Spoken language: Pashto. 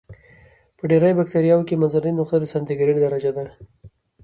په ډېری بکټریاوو کې منځنۍ نقطه د سانتي ګراد درجه ده.